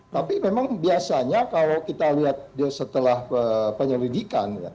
tapi memang biasanya kalau kita lihat setelah penyelidikan